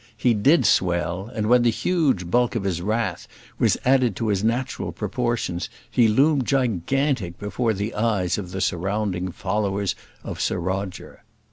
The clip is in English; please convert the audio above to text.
He did swell, and when the huge bulk of his wrath was added to his natural proportions, he loomed gigantic before the eyes of the surrounding followers of Sir Roger.